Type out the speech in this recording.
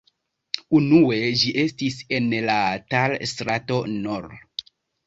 Unue ĝi estis en la Tal-strato nr.